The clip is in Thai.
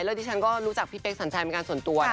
และที่ฉันก็รู้จักพี่เป๊กสัญชัยเป็นการส่วนตัว